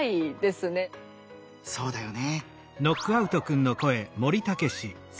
そうだよね。